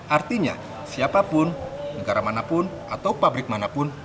artinya siapapun negara manapun atau pabrik manapun